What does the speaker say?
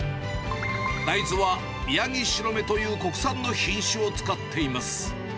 大豆はミヤギシロメという国産の品種を使っています。